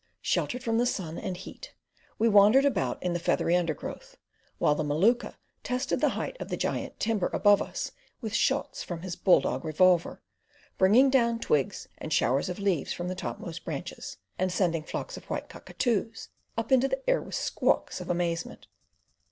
Sheltered from the sun and heat we wandered about in the feathery undergrowth, while the Maluka tested the height of the giant timber above us with shots from his bull dog revolver bringing down twigs and showers of leaves from the topmost branches, and sending flocks of white cockatoos up into the air with squawks of amazement.